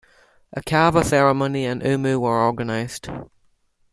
A kava ceremony and umu were organised.